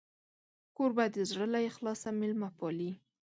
کوربه د زړه له اخلاصه میلمه پالي.